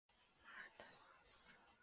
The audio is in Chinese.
马尔坦瓦斯。